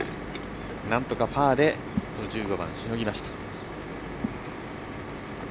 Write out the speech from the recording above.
なんとかパーで１５番しのぎました。